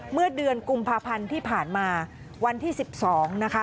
เมื่อเดือนกุมภาพันธ์ที่ผ่านมาวันที่๑๒นะคะ